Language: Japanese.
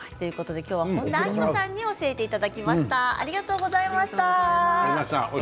本田明子さんに教えていただきました。